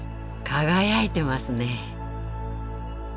輝いてますね。